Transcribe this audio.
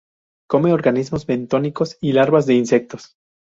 Come organismos bentónicos y larvas de insectos.